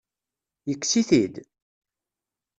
Yekkes-it-id?